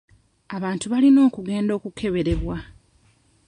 Abantu balina okugenda okukeberebwa.